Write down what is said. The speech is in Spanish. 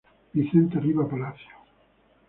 Vicente Riva Palacio.